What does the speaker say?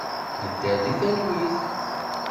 Nedder deg talwit.